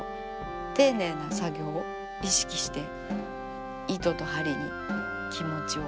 丁寧な作業を意識して糸と針に気持ちを。